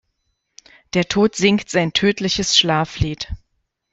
Der Tod singt sein tödliches Schlaflied.